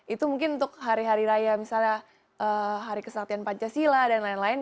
itu mungkin untuk hari hari raya misalnya hari kesaktian pancasila dan lain lain